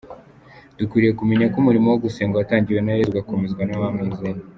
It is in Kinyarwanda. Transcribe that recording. Dukwiriye kumenya ko umurimo wo gusenga watangiwe na Yesu, ugakomezwa n’abamwizeye.